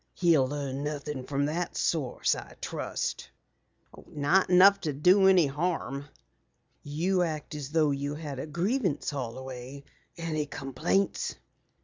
"He'll learn nothing from that source, I trust." "Not enough to do any harm." "You act as though you had a grievance, Holloway. Any complaints?"